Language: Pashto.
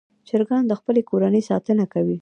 چرګان د خپلې کورنۍ ساتنه کوي.